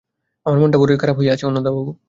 আমার মনটা বড়োই খারাপ হইয়া আছে অন্নদাবাবু।